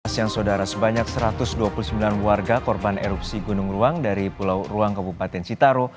siang saudara sebanyak satu ratus dua puluh sembilan warga korban erupsi gunung ruang dari pulau ruang kabupaten citaro